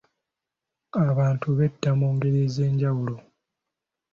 Abantu betta mu ngeri ez'enjawulo.